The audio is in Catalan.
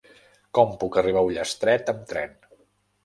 Com puc arribar a Ullastret amb tren?